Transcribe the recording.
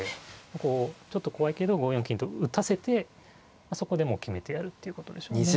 こうちょっと怖いけど５四金と打たせてそこでもう決めてやるっていうことでしょうね。